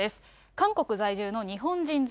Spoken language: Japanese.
韓国在住の日本人妻。